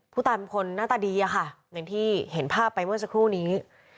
ผู้ตามคนน่าตาดีอะค่ะในที่เห็นภาพไปในเมื่อสักครู่นี้